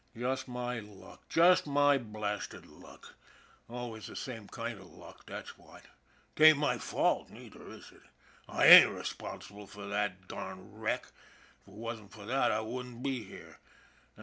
Just my luck, just my blasted luck, always the same kind of luck, that's what. 'Tain't my fault neither, is it? / ain't responsible for that darned wreck if 'twasn't for that I wouldn't be here.